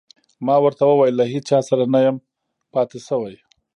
ما ورته وویل: له هیڅ چا سره نه یم پاتې شوی.